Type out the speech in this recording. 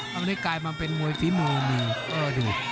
มันได้กลายมาเป็นมวยฝีมือ